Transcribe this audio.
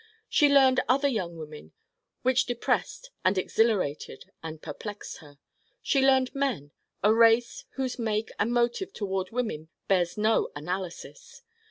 She learned other young women, which depressed and exhilarated and perplexed her. She learned men a race whose make and motive toward women bears no analysis.